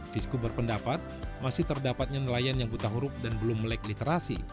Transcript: fisku berpendapat masih terdapatnya nelayan yang buta huruf dan belum melek literasi